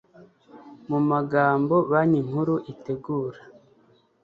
mu magambo Banki Nkuru itegura